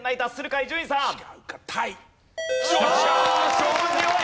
勝負強い！